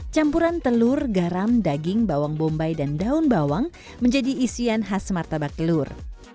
campuran telur garam daging bawang bombay dan daun bawang menjadi isian khas martabak telur